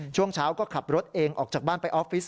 ช่วงเช้าก็ขับรถเองออกจากบ้านไปออฟฟิศ